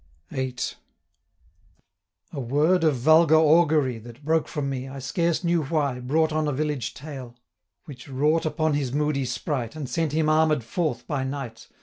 VIII. 'A word of vulgar augury, That broke from me, I scarce knew why, Brought on a village tale; 235 Which wrought upon his moody sprite, And sent him armed forth by night.